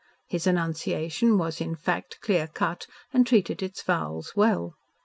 His enunciation was in fact clear cut and treated its vowels well.